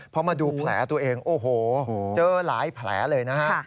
พอมาดูแผลตัวเองโอ้โหเจอหลายแผลเลยนะฮะ